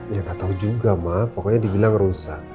ya gak tau juga ma pokoknya dibilang rusak